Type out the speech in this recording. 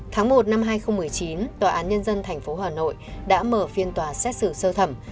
tháng một năm hai nghìn một mươi chín tòa án nhân dân tp hà nội đã mở phiên tòa xét xử sơ thẩm